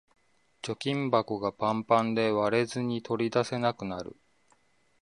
貯金箱がパンパンで割れずに取り出せなくなる